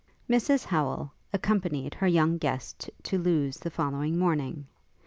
Mrs Howel accompanied her young guest to Lewes the following morning.